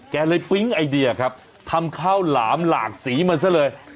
แกเลยปิ๊งไอเดียครับทำข้าวหลามหลากสีมาซะเลย